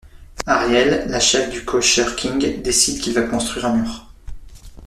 Ariel, la chef du Kosher King, décide qu'il va construire un mur.